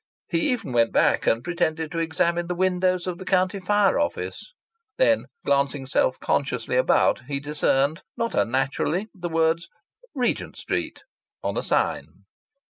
He even went back and pretended to examine the windows of the County Fire Office. Then, glancing self consciously about, he discerned not unnaturally the words "Regent Street" on a sign.